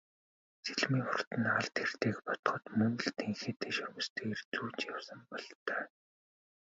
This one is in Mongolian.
Сэлмийн урт нь алд хэртэйг бодоход мөн л тэнхээтэй шөрмөстэй эр зүүж явсан бололтой.